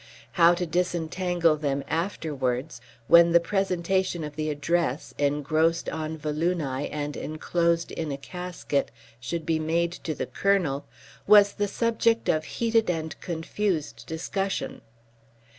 How to disentangle them afterwards, when the presentation of the address, engrossed on velluni and enclosed in a casket, should be made to the Colonel, was the subject of heated and confused discussion.